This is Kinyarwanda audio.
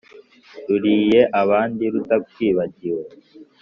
ruriye abandi rutakwibagiwe.